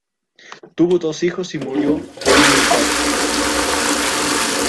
Tuvo dos hijos y murió por un infarto.